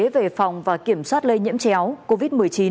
về phòng và kiểm soát lây nhiễm chéo covid một mươi chín